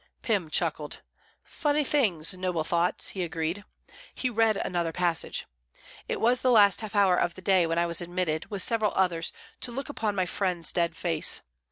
Pym chuckled. "Funny things, noble thoughts," he agreed. He read another passage: "'It was the last half hour of day when I was admitted, with several others, to look upon my friend's dead face.